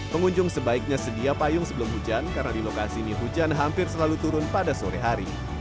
pengunjung sebaiknya sedia payung sebelum hujan karena di lokasi ini hujan hampir selalu turun pada sore hari